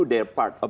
masih baru disasih